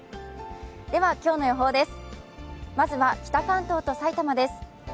では今日の予報です。